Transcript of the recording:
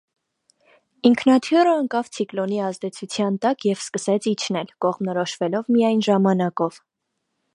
Ինքնաթիռը ընկավ ցիկլոնի ազդեցության տակ և սկսեց իջնել, կողմնորոշվելով միայն ժամանակով։